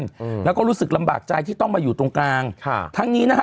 อืมแล้วก็รู้สึกลำบากใจที่ต้องมาอยู่ตรงกลางค่ะทั้งนี้นะฮะ